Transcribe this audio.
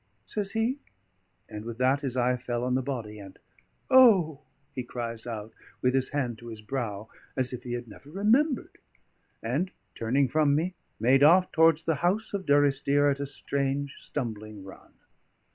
says he. And with that his eye fell on the body, and "O!" he cries out, with his hand to his brow, as if he had never remembered; and, turning from me, made off towards the house of Durrisdeer at a strange stumbling run.